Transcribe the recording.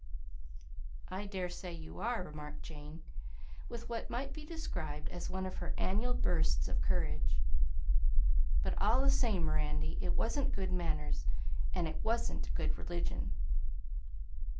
"I daresay you are," remarked Jane, with what might be described as one of her annual bursts of courage; "but all the same, Mirandy, it wasn't good manners, and it wasn't good religion!"